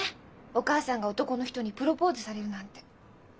お母さんが男の人にプロポーズされるなんて。